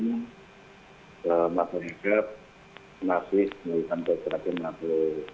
mbak mereka mas lis dan bapak serapi